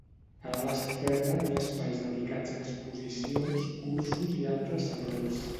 A l'ala esquerra, hi ha espais dedicats a exposicions, cursos i altres serveis.